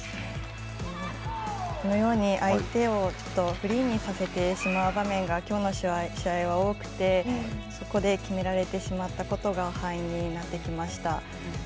このように相手をフリーにさせてしまう場面がきょうの試合は多くてそこで決められてしまったことが敗因になってきました。